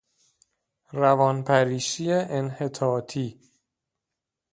روان پریشی انحطاطی